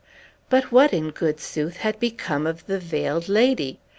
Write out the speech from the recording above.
But what, in good sooth, had become of the Veiled Lady?